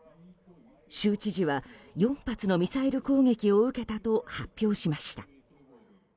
州知事は、４発のミサイル攻撃を受けたと発表しました。